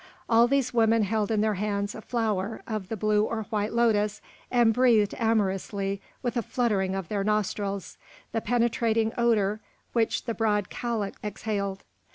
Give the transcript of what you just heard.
All these women held in their hands a flower of the blue or white lotus, and breathed amorously, with a fluttering of their nostrils, the penetrating odour which the broad calyx exhaled.